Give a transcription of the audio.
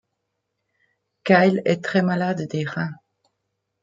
Kyle est très malade des reins.